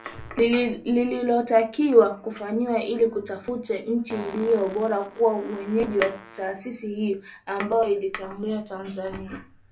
Lililotakiwa kufanyika ili kutafuta nchi iliyo bora kuwa mwenyeji wa taasisi hiyo, ambayo iliichagua Tanzania.